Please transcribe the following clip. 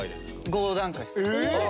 ５段階っす。